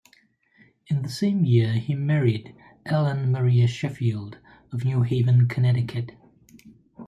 In the same year he married Ellen Maria Sheffield of New Haven, Connecticut.